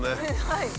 はい！